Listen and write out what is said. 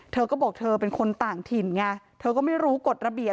เธอก็บอกเธอเป็นคนต่างถิ่นไงเธอก็ไม่รู้กฎระเบียบ